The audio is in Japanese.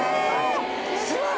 すごい！